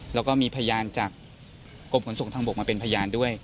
แล้วก็มีพยานจากกรมขนส่งทางบกมาเป็นพยานด้วย